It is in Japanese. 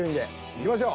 いきましょう。